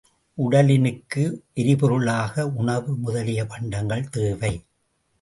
உடலினுக்கு எரிபொருள்களாக உணவு முதலிய பண்டங்கள் தேவை.